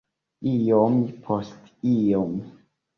Iom post iom.